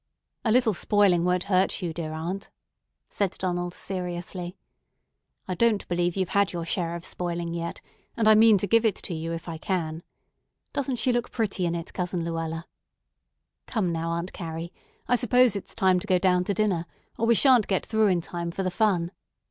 "A little spoiling won't hurt you, dear aunt," said Donald seriously. "I don't believe you've had your share of spoiling yet, and I mean to give it to you if I can. Doesn't she look pretty in it, Cousin Luella? Come now, Aunt Carrie, I suppose it's time to go down to dinner, or we sha'n't get through in time for the fun.